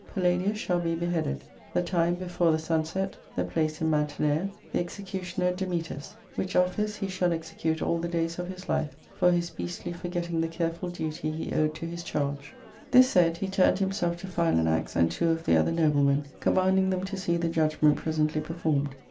Palladius shall be beheaded : the time, before the sun set : the place, in Man tinea : the executioner, Dametas ; which office he shall ex ecute all the days of his life, for his beastly forgetting the careful duty he owed to his charge." H H 2 \ 468 ARCADIA.—Book V. This said, he turned himself to Philanax and two of the other noblemen, commanding them to see the judgment pre sently performed.